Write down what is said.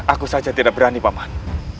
aku saja tidak berani pak man